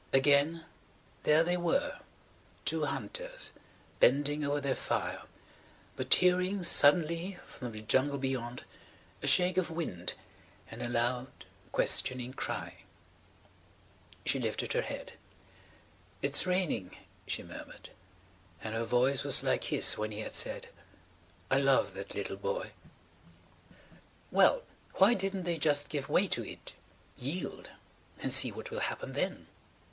Again, there they [Page 151] were–two hunters, bending over their fire, but hearing suddenly from the jungle beyond a shake of wind and a loud, questioning cry .... She lifted her head. "It's raining," she murmured. And her voice was like his when he had said: "I love that little boy." Well. Why didn't they just give way to it–yield–and see what will happen then?